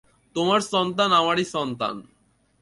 তোমার সন্তান আমারই সন্তান।